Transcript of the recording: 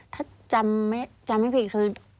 ถ้าจำไม่ผิดคือ